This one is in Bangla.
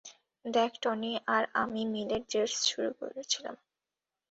দেখ, টনি আর আমি মিলে জেটস শুরু করেছিলাম।